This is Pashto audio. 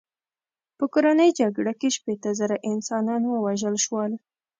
په کورنۍ جګړه کې شپېته زره انسانان ووژل شول.